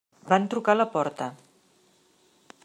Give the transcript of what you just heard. Van trucar a la porta.